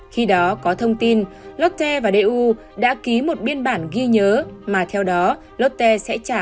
khi đó có thông tin lotte và eu đã ký một biên bản ghi nhớ mà theo đó lotte sẽ trả